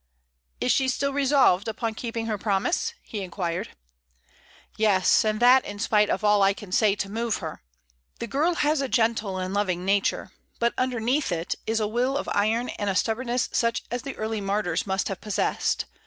"Is she still resolved upon keeping her promise?" he inquired. "Yes; and that in spite of all I can say to move her. The girl has a gentle and loving nature, but underneath it is a will of iron and a stubbornness such as the early martyrs must have possessed.